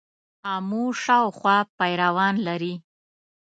آمو شاوخوا پیروان لري.